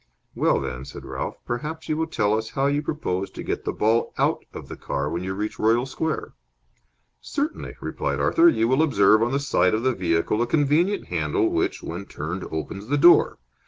"Well, then," said Ralph, "perhaps you will tell us how you propose to get the ball out of the car when you reach Royal Square?" "Certainly," replied Arthur. "You will observe on the side of the vehicle a convenient handle which, when turned, opens the door.